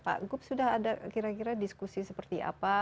pak gup sudah ada kira kira diskusi seperti apa